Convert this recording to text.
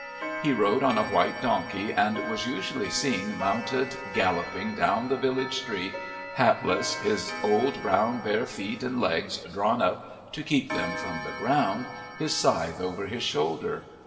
He rode on a white donkey, and was usually seen mounted galloping down the village street, hatless, his old brown, bare feet and legs drawn up to keep them from the ground, his scythe over his shoulder.